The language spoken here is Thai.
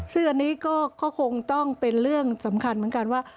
ซึ่งอันนี้ก็คงต้องเป็นเรื่องสำคัญเหมือนกันว่า